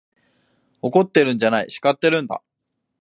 怒ってるんじゃない、叱ってるんだ。